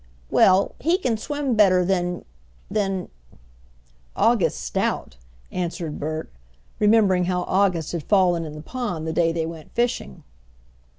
"Well, he can swim better than than " "August Stout," answered Bert, remembering how August had fallen in the pond the day they went fishing.